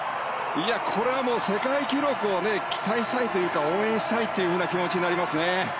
これは世界記録を期待したいというか応援したいという気持ちになりますね。